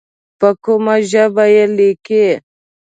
په کومه ژبه یې لیکې.